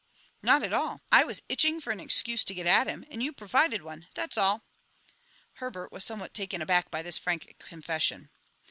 "Not at all. I was itching for an excuse to get at him, and you provided one, that's all." Herbert was somewhat taken aback by this frank confession.